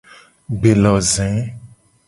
Gbeloze.